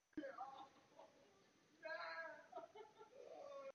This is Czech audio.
Připomínám, že nemáme obecnou zákonodárnou moc ve všech otázkách.